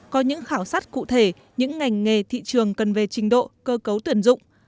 có những khảo sát cụ thể những ngành nghề thị trường cần về trình độ cơ cấu tuyển dụng